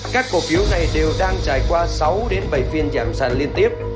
các cổ phiếu này đều đang trải qua sáu bảy phiên giảm sản liên tiếp